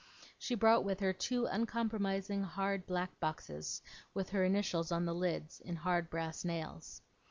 She brought with her two uncompromising hard black boxes, with her initials on the lids in hard brass nails.